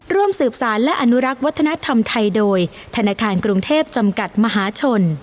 ร่วมสืบสารและอนุรักษ์วัฒนธรรมไทยโดยธนาคารกรุงเทพจำกัดมหาชน